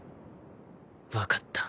分かった